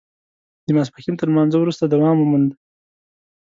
د ماسپښین تر لمانځه وروسته دوام وموند.